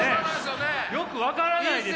よく分からないですよ！